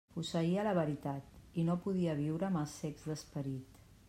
Posseïa la veritat i no podia viure amb els cecs d'esperit.